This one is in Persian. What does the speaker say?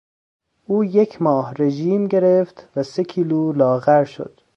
او یک ماه رژیم گرفت و سه کیلو لاغر شد.